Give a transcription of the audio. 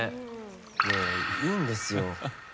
いや、いいんですよ。